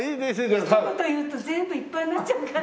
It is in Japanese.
ひと言言うと全部いっぱいになっちゃうから。